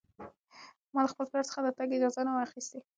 ما له خپل پلار څخه د تګ اجازه نه وه اخیستې.